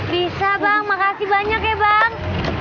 bisa bang makasih banyak ya bang